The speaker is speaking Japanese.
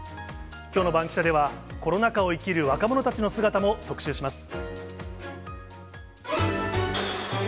きょうのバンキシャではコロナ禍を生きる若者たちの姿も特集します。